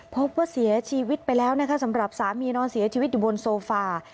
พบว่าเสียชีวิตไปแล้วนะคะสำหรับสามีนอนเสียชีวิตอยู่บนโซฟา